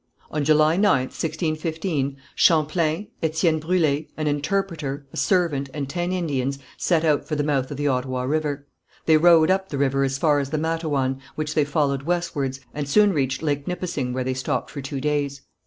On July 9th, 1615, Champlain, Étienne Brûle, an interpreter, a servant, and ten Indians, set out for the mouth of the Ottawa River. They rowed up the river as far as the Mattawan, which they followed westwards, and soon reached Lake Nipissing where they stopped for two days.